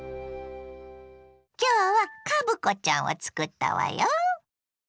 今日はカブコちゃんをつくったわよ。